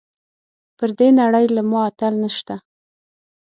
پر دې نړۍ له ما اتل نشته .